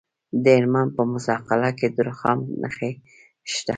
د هلمند په موسی قلعه کې د رخام نښې شته.